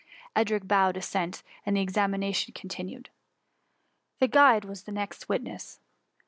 '^ Edric bowed assent, and the examination con^ tinued. The guide was the next witness.